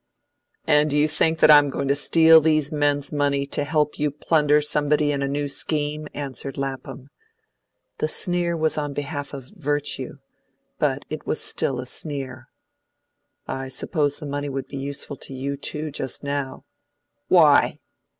"And do you think that I am going to steal these men's money to help you plunder somebody in a new scheme?" answered Lapham. The sneer was on behalf of virtue, but it was still a sneer. "I suppose the money would be useful to you too, just now." "Why?"